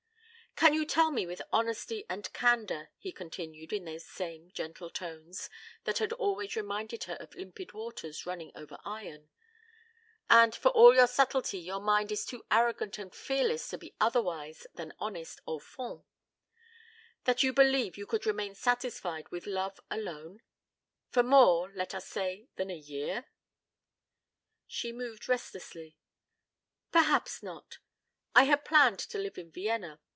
"Can you tell me with honesty and candor," he continued in those same gentle tones that had always reminded her of limpid water running over iron, " and for all your subtlety your mind is too arrogant and fearless to be otherwise than honest au fond that you believe you could remain satisfied with love alone? For more, let us say, than a year?" She moved restlessly. "Perhaps not. But I had planned to live in Vienna.